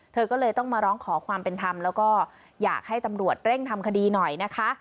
เธอก็เลยต้องมาร้องขอความเป็นธรรมแล้วก็อยากให้ตำรวจเร่งทำคดีหน่อยนะคะ